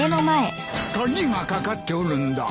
鍵がかかっておるんだ。